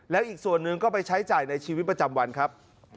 แล้วอีกส่วนหนึ่งก็ไปใช้จ่ายในชีวิตประจำวันครับ